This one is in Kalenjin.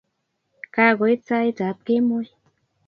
Ka koit sait ap kemoi.